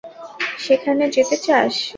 সেখানে যেতে চাস?